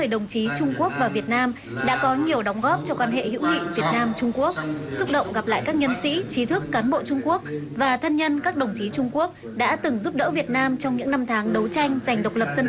đồng chí trung quốc và việt nam đã có nhiều đóng góp cho quan hệ hữu nghị việt nam trung quốc xúc động gặp lại các nhân sĩ trí thức cán bộ trung quốc và thân nhân các đồng chí trung quốc đã từng giúp đỡ việt nam trong những năm tháng đấu tranh giành độc lập dân